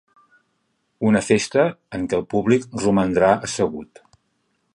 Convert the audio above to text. Una festa en què el públic romandrà assegut.